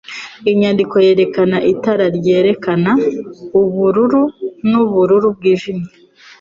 inyandiko yerekana itara ryerekana ubururu nubururu bwijimye.